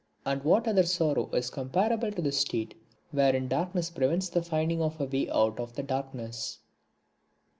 And what other sorrow is comparable to the state wherein darkness prevents the finding of a way out of the darkness?